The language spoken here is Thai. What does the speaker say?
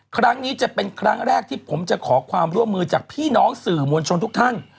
ครั้งนี้จะเป็นครั้งแรกที่ผมจะขอความร่วมมือจากพี่น้องสื่อมวลชนทุกท่าน